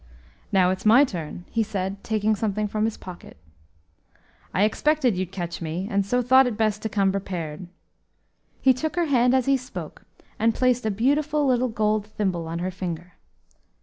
"Now, it's my turn," he said, taking something from his pocket. "I expected you'd catch me, and so thought it best to come prepared." He took her hand, as he spoke, and placed a beautiful little gold thimble on her finger.